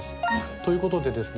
ということでですね